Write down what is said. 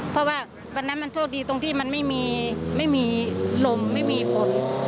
เพราะว่าวันนั้นมันโชคดีตรงที่มันไม่มีลมไม่มีฝน